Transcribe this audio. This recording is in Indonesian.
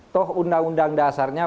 toh undang undang dasarnya